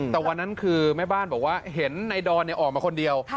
แต่วันนั้นคือแม่บ้านบอกว่าเห็นในดอนออกมาคนเดียว